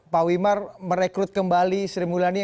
pak wimar merekrut kembali sri mulyani